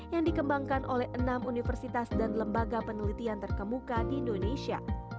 yang dikembangkan oleh enam universitas dan lembaga penelitian terkemuka di indonesia